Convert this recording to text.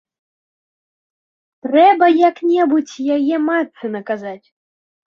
Трэба як-небудзь яе матцы наказаць.